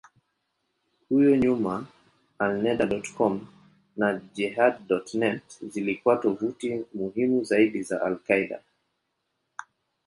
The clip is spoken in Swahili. Huko nyuma, Alneda.com na Jehad.net zilikuwa tovuti muhimu zaidi za al-Qaeda.